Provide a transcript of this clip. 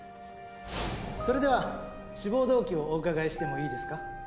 それでは志望動機をお伺いしてもいいですか？